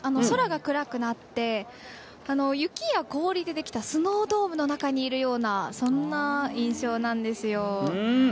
空が暗くなって雪や氷でできたスノードームの中にいるようなそんな印象なんですよ。